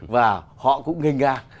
và họ cũng nganh ngang